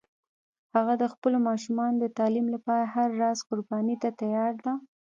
هغه د خپلو ماشومانو د تعلیم لپاره هر راز قربانی ته تیار ده